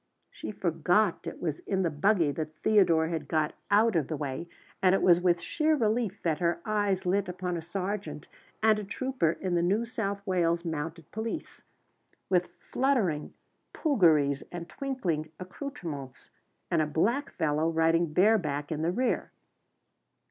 She forgot it was in the buggy that Theodore had been got out of the way, and it was with sheer relief that her eyes lit upon a sergeant and a trooper of the New South Wales mounted police, with fluttering puggarees and twinkling accoutrements, and a black fellow riding bareback in the rear.